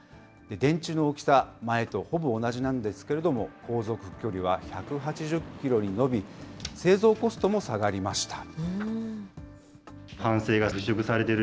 電池の大きさ、前とほぼ同じなんですけれども、航続距離は１８０キロに伸び、製造コストも下がりました。